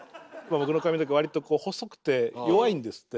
僕の髪の毛割とこう細くて弱いんですって。